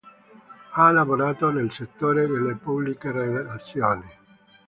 Ha lavorato nel settore delle pubbliche relazioni.